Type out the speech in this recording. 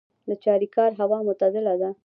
د چاریکار هوا معتدله ده